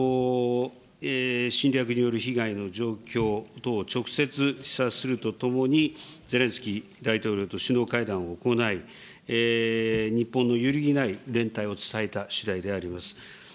侵略による被害の状況等、直接視察するとともに、ゼレンスキー大統領と首脳会談を行い、日本の揺るぎない連帯を伝えたしだいであります。